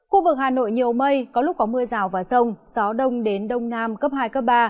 khu vực hà nội nhiều mây có lúc có mưa rào và rông gió đông đến đông nam cấp hai cấp ba